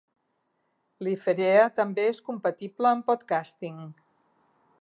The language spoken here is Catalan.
Liferea també és compatible amb Podcasting.